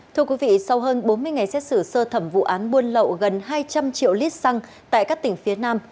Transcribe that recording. thưa quý vị sau hơn bốn mươi ngày xét xử sơ thẩm vụ án buôn lậu gần hai trăm linh triệu lít xăng tại các tỉnh phía nam